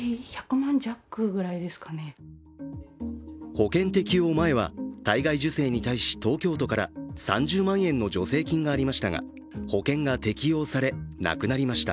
保険適用前は体外受精に対し、東京都から３０万円の助成金がありましたが、保険が適用され、なくなりました。